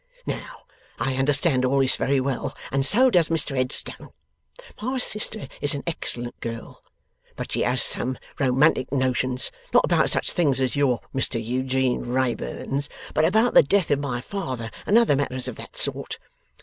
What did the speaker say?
Now I understand all this very well, and so does Mr Headstone. My sister is an excellent girl, but she has some romantic notions; not about such things as your Mr Eugene Wrayburns, but about the death of my father and other matters of that sort.